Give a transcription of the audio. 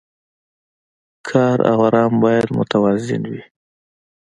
کار او ارام باید متوازن وي.